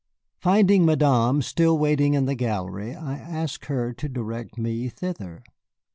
Finding Madame still waiting in the gallery, I asked her to direct me thither.